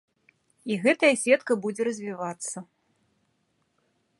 І гэтая сетка будзе развівацца.